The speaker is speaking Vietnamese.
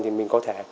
thì mình có thể